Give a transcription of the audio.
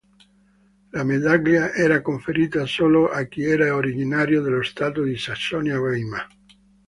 La medaglia era conferita solo a chi era originario dello Stato di Sassonia-Weimar.